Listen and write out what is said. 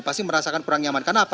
pasti merasakan kurang nyaman kenapa